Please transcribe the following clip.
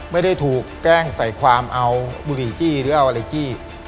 ไม่ได้ถูกแกล้งใส่ความเอาบุหรี่จี้หรือเอาอะไรจี้